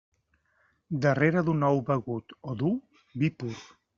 Darrere d'un ou begut o dur, vi pur.